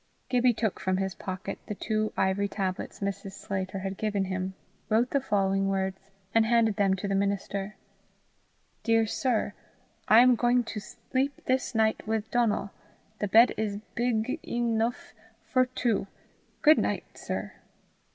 Gibbie took from his pocket the little ivory tablets Mrs. Sclater had given him, wrote the following words, and handed them to the minister: "Dear sir, I am going to slepe this night with Donal. The bed is bigg enuf for 2. Good night, sir."